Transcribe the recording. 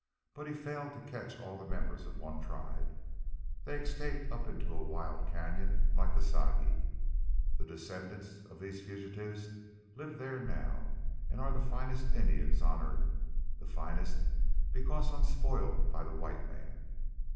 But he failed to catch all the members of one tribe. They escaped up into wild cañon like the Sagi. The descendants of these fugitives live there now and are the finest Indians on earth the finest because unspoiled by the white man.